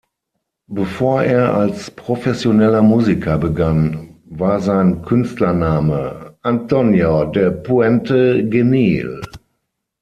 Bevor er als professioneller Musiker begann, war sein Künstlername "Antonio de Puente Genil".